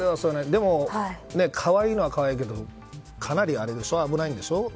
でも、かわいいのはかわいいけどかなり危ないんでしょ。